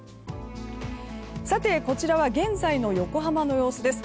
こちらは現在の横浜の様子です。